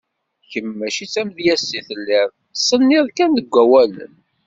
Kemm mačči d tamedyazt i telliḍ, tsenniḍ kan deg wawalen.